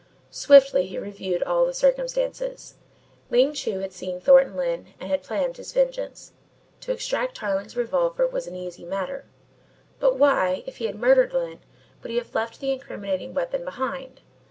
Swiftly he reviewed all the circumstances. Ling Chu had seen Thornton Lyne and had planned his vengeance. To extract Tarling's revolver was an easy matter but why, if he had murdered Lyne, would he have left the incriminating weapon behind?